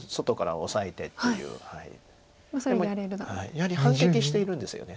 やはり反撃しているんですよね。